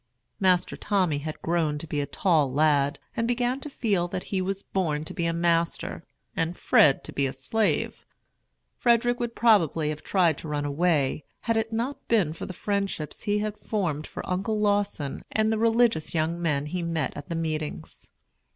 Master Tommy had grown to be a tall lad, and began to feel that he was born to be a master and Fred to be a slave. Frederick would probably have tried to run away, had it not been for the friendships he had formed for Uncle Lawson and the religious young men he met at the meetings.